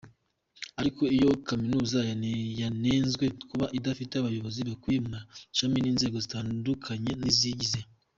Ariko iyo kaminuza yanenzwe kuba idafite abayobozi bakwiye mu mashami n’inzego zitandukanye ziyigize.